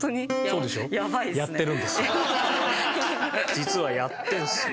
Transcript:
実はやってるんですよ。